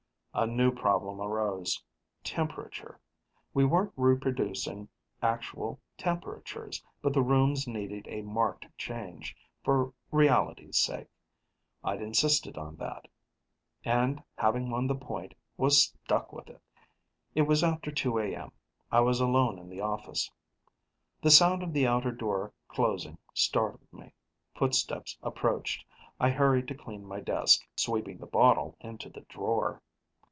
A new problem arose: temperature. We weren't reproducing actual temperatures, but the rooms needed a marked change, for reality's sake. I'd insisted on that, and having won the point, was stuck with it. It was after 2 A.M.; I was alone in the office. The sound of the outer door closing startled me. Footsteps approached; I hurried to clean my desk, sweeping the bottle into the drawer.